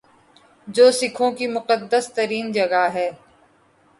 جو سکھوں کی مقدس ترین جگہ ہے